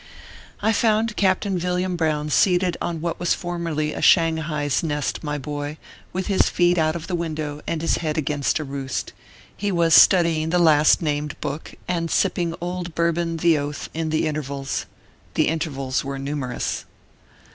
I found Captain Villiam Brown seated on what was formerly a Shanghai s nest, my boy, with his feet out of the window, and his head against a roost. He was studying the last named book, and sipping Old Bourbon the Oath, in the intervals. The intervals were numerous.